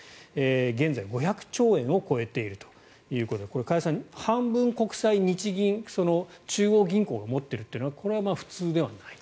現在、５００兆円を超えているということでこれ、加谷さん半分国債、日銀中央銀行が持っているというのはこれは普通ではないと。